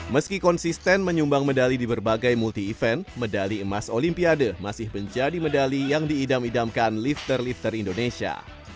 meski konsisten menyumbang medali di berbagai multi event medali emas olimpiade masih menjadi medali yang diidam idamkan lifter lifter indonesia